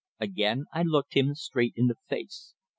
Again I looked him straight in the face.